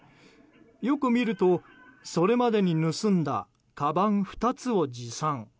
よく見ると、それまでに盗んだかばん２つを持参。